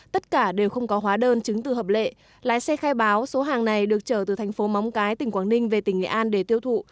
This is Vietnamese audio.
tất cả đều không có hóa đơn chứng từ hợp lệ lái xe khai báo số hàng này được trở từ thành phố móng cái tỉnh quảng ninh về tỉnh nghệ an để tiêu thụ